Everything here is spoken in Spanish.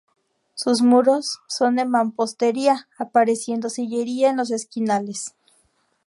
Sus muros son de mampostería, apareciendo sillería en los esquinales.